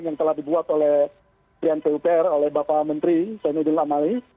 yang telah dibuat oleh presiden pupr oleh bapak menteri saya nudin lamali